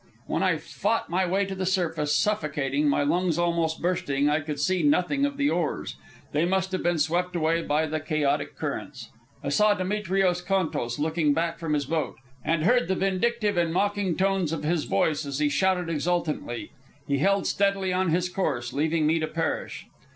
When I fought my way to the surface, suffocating, my lungs almost bursting, I could see nothing of the oars. They must have been swept away by the chaotic currents. I saw Demetrios Contos looking back from his boat, and heard the vindictive and mocking tones of his voice as he shouted exultantly. He held steadily on his course, leaving me to perish.